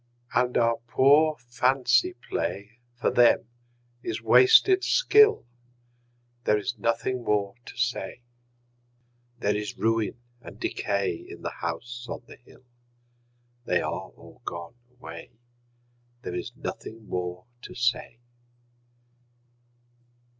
And our poor fancy play For them is wasted skill: There is nothing more to say. There is ruin and decay In the House on the Hill They are all gone away, There is nothing more to say.